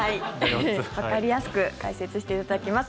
わかりやすく解説していただきます。